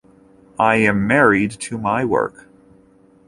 I am married to my work.